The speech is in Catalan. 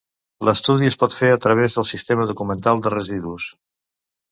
L'estudi es pot fer a través del Sistema Documental de Residus.